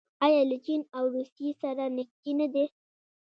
آیا له چین او روسیې سره نږدې نه دي؟